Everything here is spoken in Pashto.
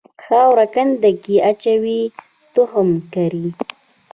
خاوره کنده کې اچوي تخم کري.